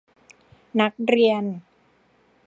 นักเรียน